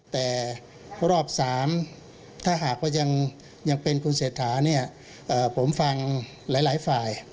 แต่รอบ๓ถ้าหากว่ายังเป็นคุณเศรษฐาเนี่ยผมฟังหลายฝ่าย